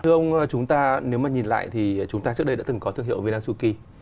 thưa ông chúng ta nếu mà nhìn lại thì chúng ta trước đây đã từng có thương hiệu vinasuki